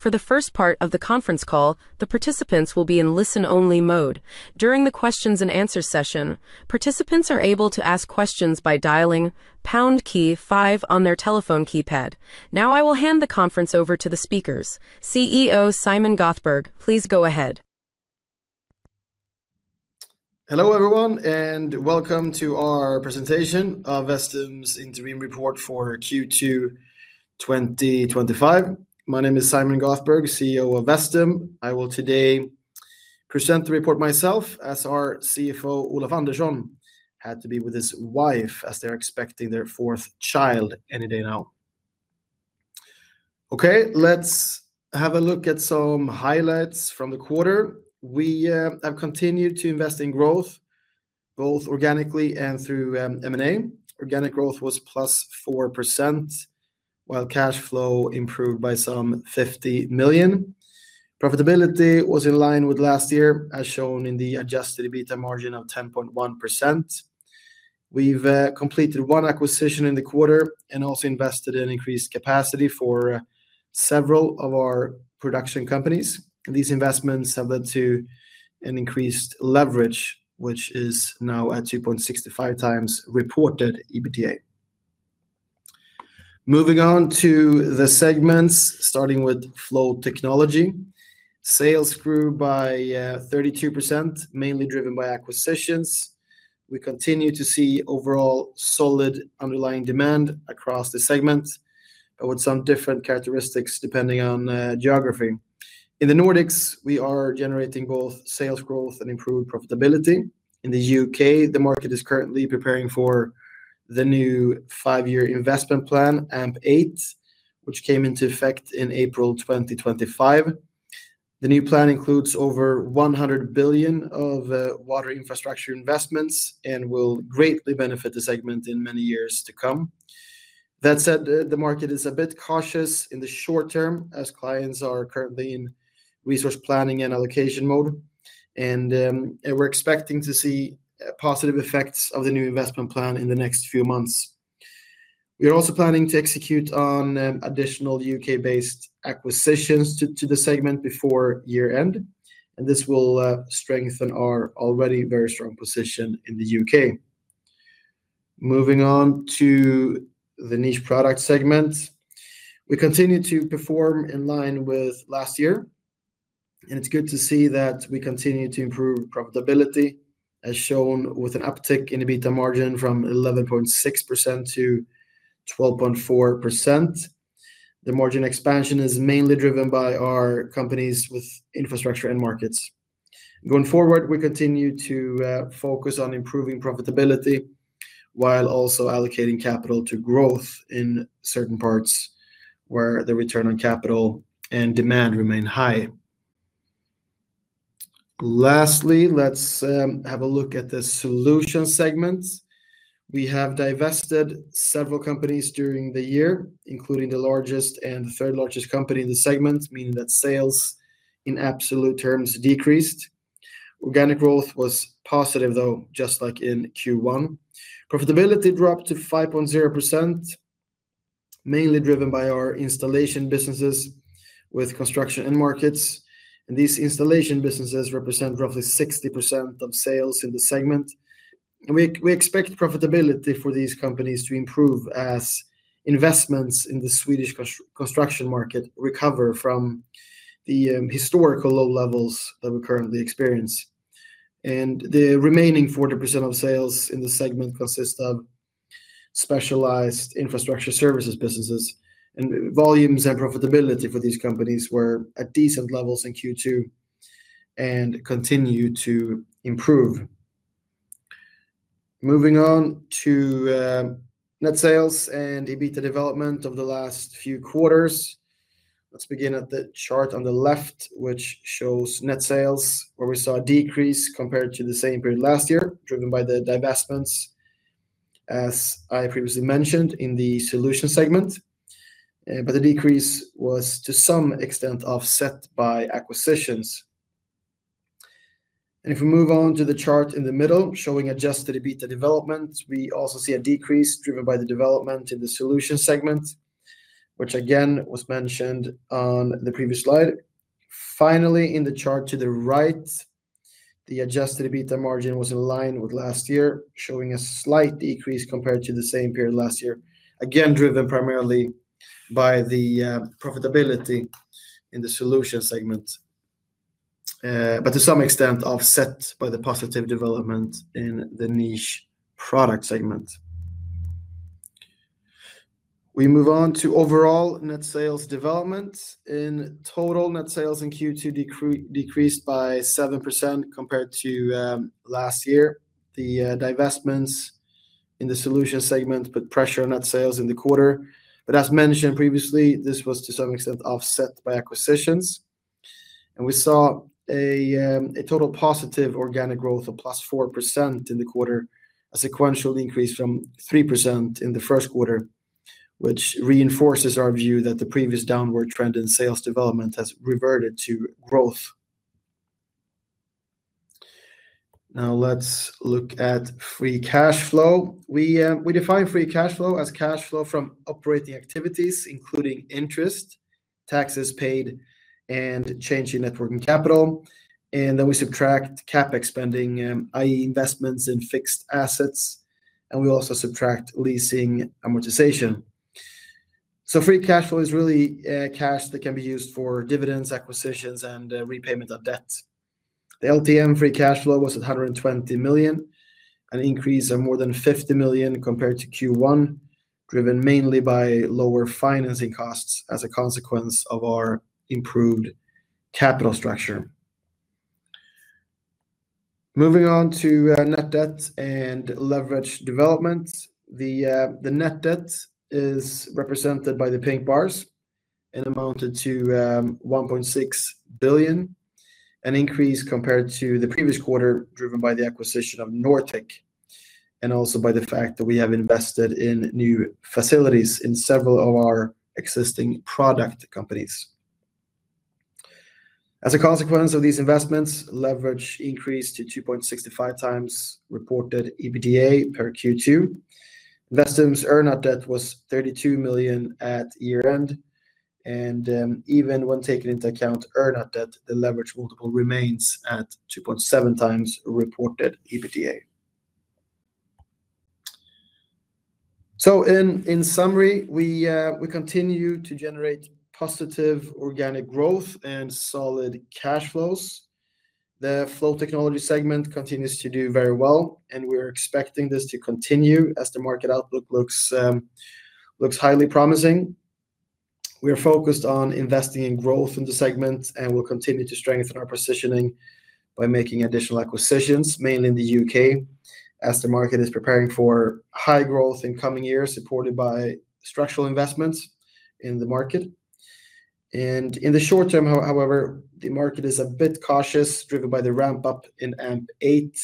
For the first part of the conference call, the participants will be in listen only mode. During the questions and answer session, participants are able to ask questions by call speakers. CEO, Simon Gothberg, please go ahead. Hello, everyone, and welcome to our presentation of Vestim's interim report for q two twenty twenty five. My name is Simon Gothberg, CEO of Vestim. I will today present the report myself as our CFO, Olaf Andersson, had to be with his wife as they're expecting their fourth child any day now. Okay. Let's have a look at some highlights from the quarter. We have continued to invest in growth both organically and through m and a. Organic growth was plus 4%, while cash flow improved by some 50,000,000. Profitability was in line with last year as shown in the adjusted EBITA margin of 10.1. We've completed one acquisition in the quarter and also invested in increased capacity for several of our production companies. These investments have led to an increased leverage, which is now at 2.65 times reported EBITDA. Moving on to the segments, starting with Flow Technology. Sales grew by 32%, mainly driven by acquisitions. We continue to see overall solid underlying demand across the segments with some different characteristics depending on geography. In The Nordics, we are generating both sales growth and improved profitability. In The UK, the market is currently preparing for the new five year investment plan AMP eight, which came into effect in April 2025. The new plan includes over 100,000,000,000 of water infrastructure investments and will greatly benefit the segment in many years to come. That said, the the market is a bit cautious in the short term as clients are currently in resource planning and allocation mode, and and we're expecting to see positive effects of the new investment plan in the next few months. We are also planning to execute on additional UK based acquisitions to to the segment before year end, and this will strengthen our already very strong position in The UK. Moving on to the niche product segment. We continue to perform in line with last year, and it's good to see that we continue to improve profitability as shown with an uptick in EBITDA margin from 11.6% to 12.4%. The margin expansion is mainly driven by our companies with infrastructure end markets. Going forward, we continue to focus on improving profitability while also allocating capital to growth in certain parts where the return on capital and demand remain high. Lastly, let's have a look at the solution segments. We have divested several companies during the year, including the largest and third largest company in the segment, meaning that sales in absolute terms decreased. Organic growth was positive, though, just like in q one. Profitability dropped to 5%, mainly driven by our installation businesses with construction end markets. And these installation businesses represent roughly 60% of sales in the segment. And we we expect profitability for these companies to improve as investments in the Swedish construction market recover from the historical low levels that we currently experience. And the remaining 40 of sales in the segment consist of specialized infrastructure services businesses, and volumes and profitability for these companies were at decent levels in q two and continue to improve. Moving on to net sales and EBITDA development over the last few quarters. Let's begin at the chart on the left, which shows net sales where we saw a decrease compared to the same period last year driven by the divestments, as I previously mentioned, in the solution segment. But the decrease was to some extent offset by acquisitions. And if we move on to the chart in the middle showing adjusted EBITDA development, we also see a decrease driven by the development in the solution segment, which again was mentioned on the previous slide. Finally, in the chart to the right, the adjusted EBITA margin was in line with last year, showing a slight decrease compared to the same period last year, again, driven primarily by the profitability in the solution segment, but to some extent offset by the positive development in the niche product segment. We move on to overall net sales development. In total, net sales in q two decreased by 7% compared to last year. The divestments in the solutions segment put pressure on net sales in the quarter. But as mentioned previously, this was to some extent offset by acquisitions. And we saw a a total positive organic growth of plus 4% in the quarter, a sequential increase from 3% in the first quarter, which reinforces our view that the previous downward trend in sales development has reverted to growth. Now let's look at free cash flow. We, we define free cash flow as cash flow from operating activities, including interest, taxes paid, and change in net working capital. And then we subtract CapEx spending, I. E, investments in fixed assets, and we also subtract leasing amortization. So free cash flow is really cash that can be used for dividends, acquisitions, and repayment of debt. The LTM free cash flow was at 120,000,000, an increase of more than 50,000,000 compared to q one, driven mainly by lower financing costs as a consequence of our improved capital structure. Moving on to net debt and leverage development. The the net debt is represented by the pink bars and amounted to 1,600,000,000.0, an increase compared to the previous quarter driven by the acquisition of Nortic and also by the fact that we have invested in new facilities in several of our existing product companies. As a consequence of these investments, leverage increased to 2.65 times reported EBITDA per q two. Investments earn out debt was 32,000,000 at year end. And even when taken into account, earn out debt, the leverage multiple remains at 2.7 times reported EBITDA. So in in summary, we we continue to generate positive organic growth and solid cash flows. The flow technology segment continues to do very well, and we're expecting this to continue as the market outlook looks looks highly promising. We are focused on investing in growth in the segments, and we'll continue to strengthen our positioning by making additional acquisitions, mainly in The UK as the market is preparing for high growth in coming years supported by structural investments in the market. And in the short term, however, the market is a bit cautious driven by the ramp up in AMP eight.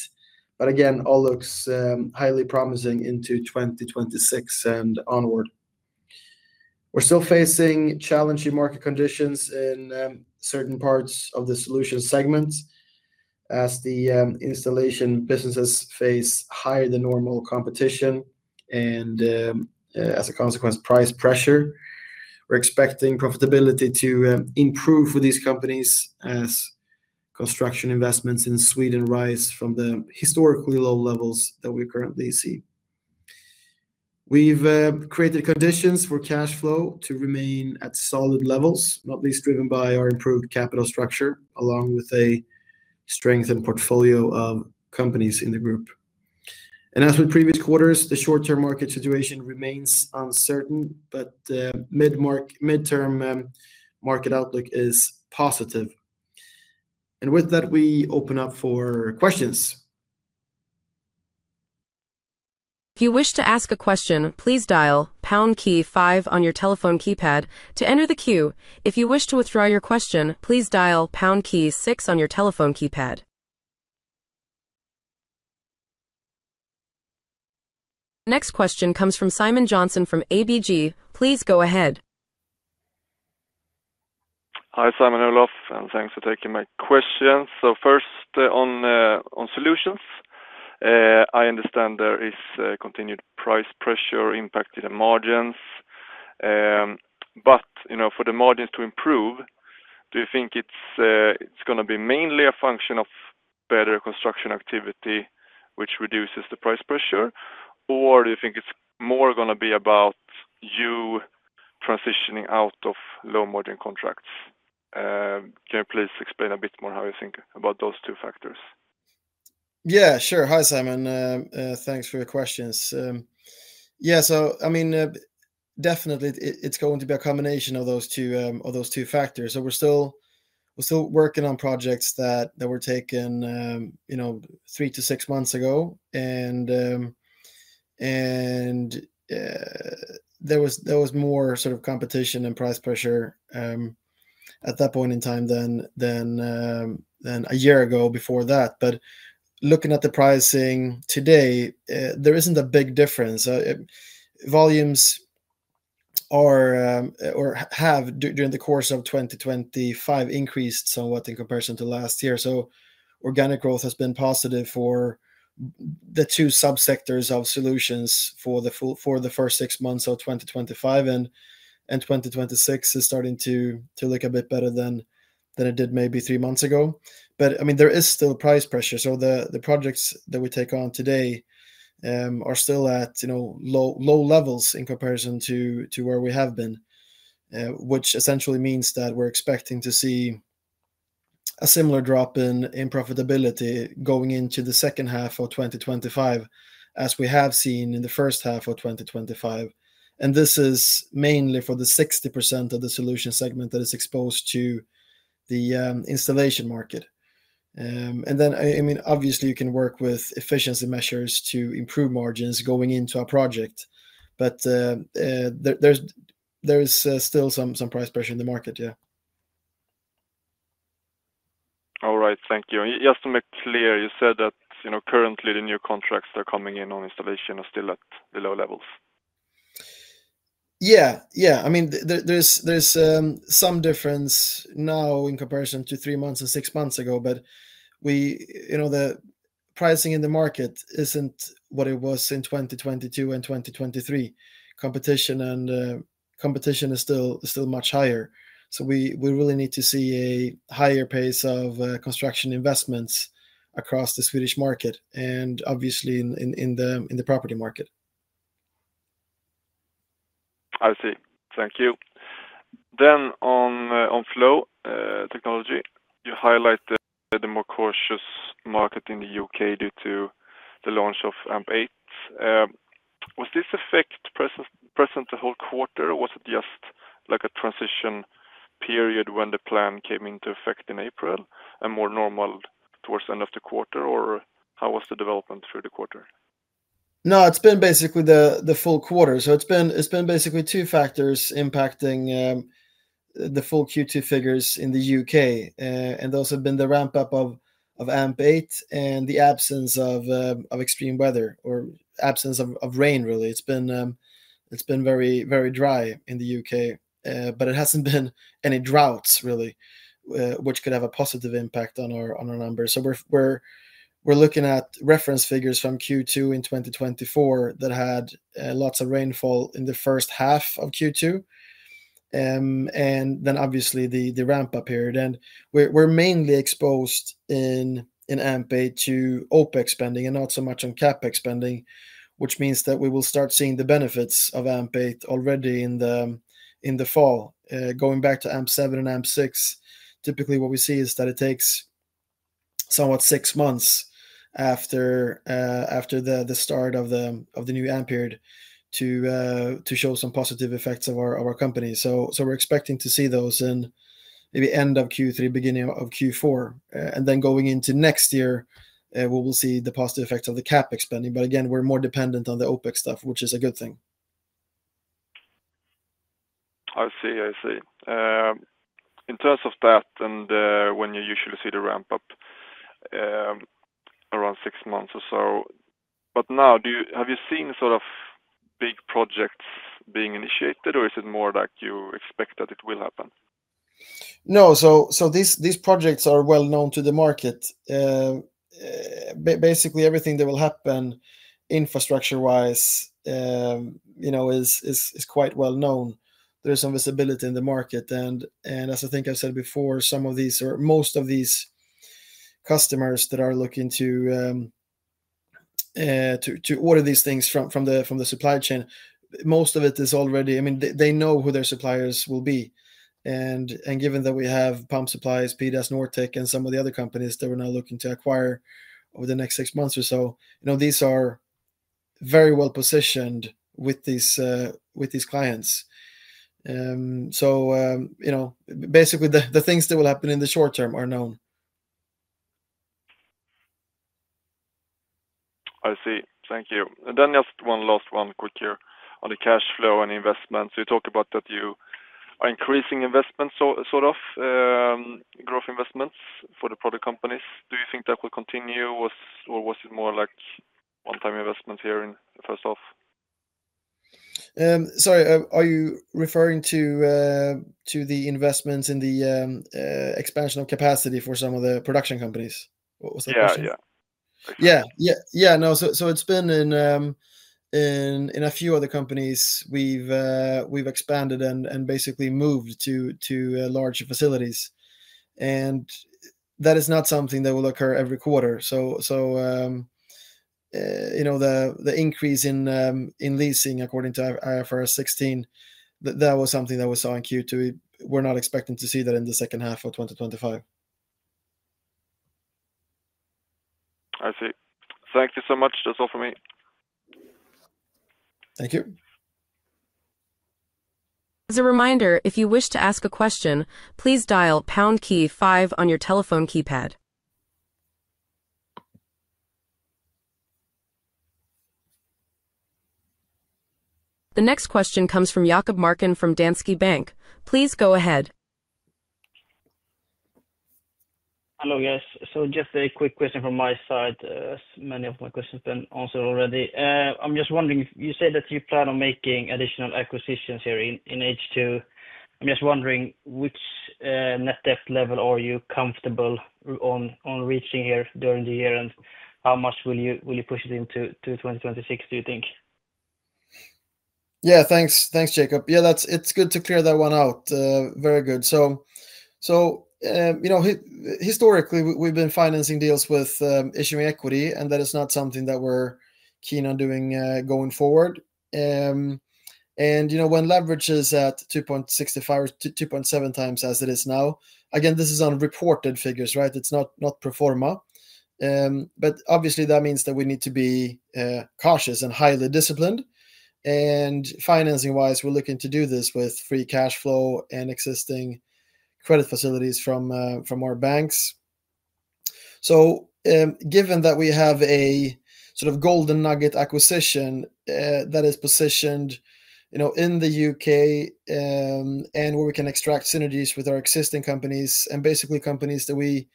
But, again, all looks highly promising into 2026 and onward. We're still facing challenging market conditions in certain parts of the solution segments as the installation businesses face higher than normal competition and, as a consequence, price pressure. We're expecting profitability to improve for these companies as construction investments in Sweden rise from the historically low levels that we currently see. We've created conditions for cash flow to remain at solid levels, not least driven by our improved capital structure along with a strengthened portfolio of companies in the group. And as with previous quarters, the short term market situation remains uncertain, but mid mark midterm market outlook is positive. And with that, we open up for questions. Next question comes from Simon Johnson from ABG. Go ahead. Hi, Simon and Olof. Thanks for taking my questions. So first on Solutions. I understand there is continued price pressure impacting the margins. But for the margins to improve, do you think it's going to be mainly a function of better construction activity, which reduces the price pressure? Or do you think it's more going to be about you transitioning out of low margin contracts? Can you please explain a bit more how you think about those two factors? Yeah. Sure. Hi, Simon. Thanks for your questions. Yeah. So, I mean, definitely, it it's going to be a combination of those two of those two factors. So we're still we're still working on projects that that were taken, you know, three to six months ago, and and there was there was more sort of competition and price pressure at that point in time than than than a year ago before that. But looking at the pricing today, there isn't a big difference. Volumes are, or have, during the course of 2025, increased somewhat in comparison to last year. So organic growth has been positive for the two subsectors of solutions for the full for the first six months of 2025, and and 2026 is starting to to look a bit better than than it did maybe three months ago. But, I mean, there is still price pressure. So the the projects that we take on today, are still at, you know, low low levels in comparison to to where we have been, which essentially means that we're expecting to see a similar drop in in profitability going into the second half of twenty twenty five as we have seen in the first half of twenty twenty five. And this is mainly for the 60% of the solution segment that is exposed to the installation market. And then, I mean, obviously, you can work with efficiency measures to improve margins going into a project. But there's still some price pressure in the market. Yeah. Alright. Thank you. And just to make clear, you said that, you know, currently, the new contracts that are coming in on installation are still at below levels. Yeah. Yeah. I mean, there there's there's some difference now in comparison to three months and six months ago, but we you know, the pricing in the market isn't what it was in 2022 and 2023. Competition and competition is still still much higher. So we really need to see a higher pace of construction investments across the Swedish market and obviously in the property market. I see. Thank you. Then on Flow Technology, you highlighted the more cautious market in The UK due to the launch of AMP8. Was this effect present the whole quarter? Or was it just like a transition period when the plan came into effect in April and more normal towards the end of the quarter? Or how was the development through the quarter? No. It's been basically the full quarter. So it's basically two factors impacting the full q two figures in The UK, and those have been the ramp up of of AMP eight and the absence of of extreme weather or absence of of rain, really. It's been it's been very, very dry in The UK, but it hasn't been any droughts, really, which could have a positive impact on our on our numbers. So we're we're we're looking at reference figures from q two in 2024 that had lots of rainfall in the first half of q two, and then, obviously, the the ramp up here. And we're we're mainly exposed in in AMP eight to OPEC spending and not so much on CapEx spending, which means that we will start seeing the benefits of AMP eight already in the in the fall. Going back to AMP seven and AMP six, typically, what we see is that it takes somewhat six months after after the the start of the of the new AMP period to to show some positive effects of our of our company. So so we're expecting to see those in maybe end of q three, beginning of q four. And then going into next year, we will see the positive effects of the CapEx spending. But, again, we're more dependent on the OpEx stuff, which is a good thing. I see. I see. In terms of that and when you usually see the ramp up, around six months or so. But now do you have you seen sort of big projects being initiated, or is it more like you expect that it will happen? No. So so these these projects are well known to the market. Basically, everything that will happen infrastructure wise, you know, is is is quite well known. There's some visibility in the market. And and as I think I've said before, some of these are most of these customers that are looking to to to order these things from from the from the supply chain, most of it is already I mean, they they know who their suppliers will be. And and given that we have pump supplies, PDAS, Nortek, and some of the other companies that we're now looking to acquire over the next six months or so. You know, these are very well positioned with these with these clients. So, you know, basically, the the things that will happen in the short term are known. I see. Thank you. And then just one last one quick here on the cash flow and investments. You talked about that you are increasing investments sort of growth investments for the product companies. Do you think that will continue? Was or was it more like one time investment here in the first half? Sorry. Are you referring to to the investments in the expansion of capacity for some of the production companies? What was the question? Yeah. Yeah. Yeah. No. So so it's been in in in a few other companies. We've we've expanded and and basically moved to to larger facilities. And that is not something that will occur every quarter. So so, you know, the the increase in in leasing according to IFRS 16, that that was something that we saw in q two. We're not expecting to see that in the second half of twenty twenty five. I see. Thank you so much. That's all for me. Thank you. The next question comes from Jakob Markin from Danske Bank. Please go ahead. Hello, guys. So just a quick question from my side, as many of my questions have been answered already. I'm just wondering, you said that you plan on making additional acquisitions here in H2. I'm just wondering which net debt level are you comfortable on reaching here during the year? And how much will you will you push it into to 2026, do you think? Yeah. Thanks. Thanks, Jacob. Yeah. That's it's good to clear that one out. Very good. So so, you know, historically, we we've been financing deals with, issuing equity, and that is not something that we're keen on doing, going forward. And, you know, when leverage is at 2.65 or 2.7 times as it is now, again, this is on reported figures. Right? It's not not pro form a. But, obviously, that means that we need to be cautious and highly disciplined. And financing wise, we're looking to do this with free cash flow and existing credit facilities from from our banks. So, given that we have a sort of golden nugget acquisition, that is positioned, you know, in The UK, and where we can extract synergies with our existing companies and, basically, companies that we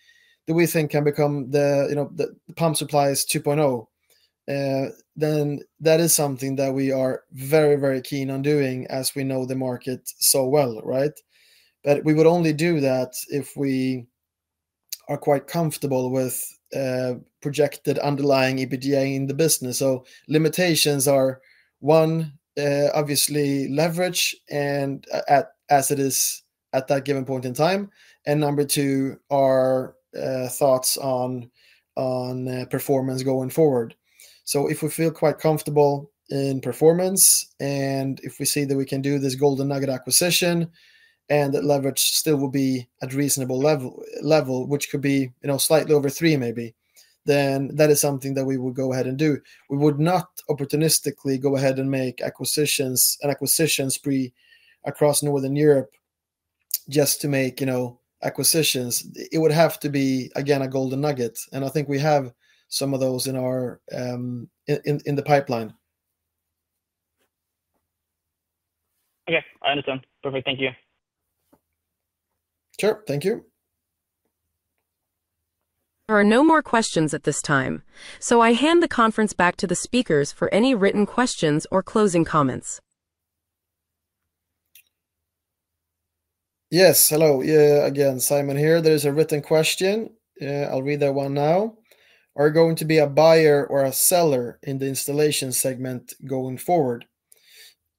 that we think can become the, you know, the the pump supplies two point o, then that is something that we are very, very keen on doing as we know the market so well. Right? But we would only do that if we are quite comfortable with projected underlying EBITDA in the business. So limitations are, one, obviously, leverage and at as it is at that given point in time, and number two, our, thoughts on on, performance going forward. So if we feel quite comfortable in performance and if we see that we can do this golden nugget acquisition and that leverage still will be at reasonable level level, which could be, you know, slightly over three maybe, then that is something that we would go ahead and do. We would not opportunistically go ahead and make acquisitions and acquisitions pre across Northern Europe just to make, you know, acquisitions. It would have to be, again, a golden nugget, and I think we have some of those in our in in the pipeline. Okay. I understand. Perfect. Thank you. Sure. Thank you. There are no more questions at this time. So I hand the conference back to the speakers for any written questions or closing comments. Yes. Hello. Yeah. Again, Simon here. There's a written question. I'll read that one now. Are you going to be a buyer or a seller in the installation segment going forward?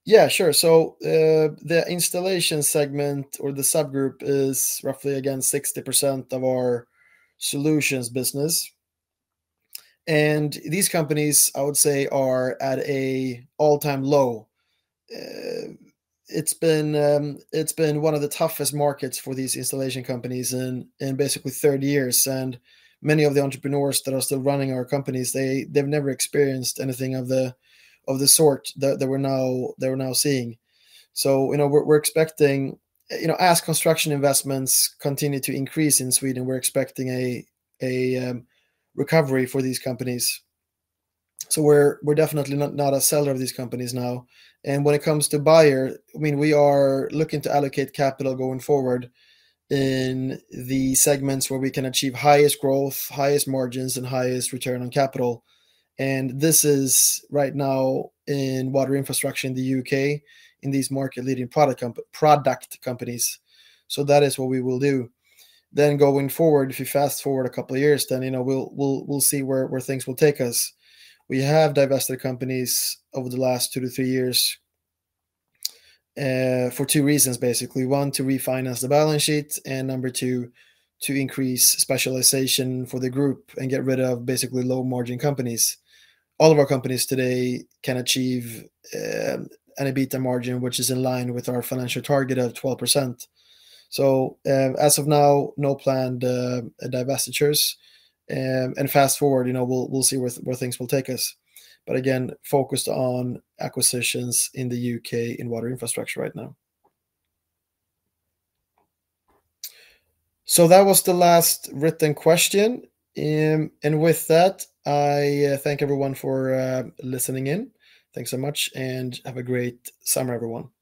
Yeah. Sure. So, the installation segment or the subgroup is roughly, again, 60% of our solutions business. And these companies, I would say, are at a all time low. It's been it's been one of the toughest markets for these installation companies in in basically thirty years. And many of the entrepreneurs that are still running our companies, they they've never experienced anything of the of the sort that that we're now that we're now seeing. So, you know, we're we're expecting you know, as construction investments continue to increase in Sweden, we're expecting a a recovery for these companies. So we're we're definitely not not a seller of these companies now. And when it comes to buyer, I mean, we are looking to allocate capital going forward in the segments where we can achieve highest growth, highest margins, and highest return on capital. And this is right now in water infrastructure in The UK in these market leading product com product companies. So that is what we will do. Then going forward, if you fast forward a couple years, then, you know, we'll we'll we'll see where where things will take us. We have divested companies over the last two to three years, for two reasons, basically. One, to refinance the balance sheet, and number two, to increase specialization for the group and get rid of basically low margin companies. All of our companies today can achieve, an EBITDA margin, which is in line with our financial target of 12%. So, as of now, no planned, divestitures. And fast forward, you know, we'll we'll see where where things will take us. But, again, focused on acquisitions in The UK in water infrastructure right now. So that was the last written question. And with that, I thank everyone for listening in. Thanks so much, and have a great summer, everyone. Bye bye.